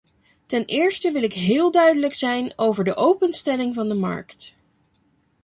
Ten eerste wil ik heel duidelijk zijn over de openstelling van de markt.